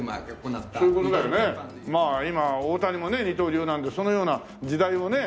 まあ今大谷もね二刀流なんでそのような時代をね